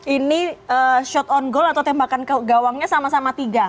ini shot on goal atau tembakan gawangnya sama sama tiga